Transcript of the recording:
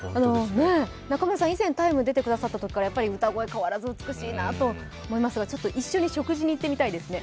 中村さんは以前、「ＴＩＭＥ，」に出てくださったときから変わらず歌声変わらず美しいなと思いますが一緒に食事に行ってみたいですね